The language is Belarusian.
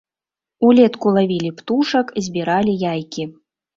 Улетку лавілі птушак, збіралі яйкі.